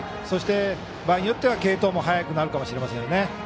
そして、場合によっては継投も早くなるかもしれませんね。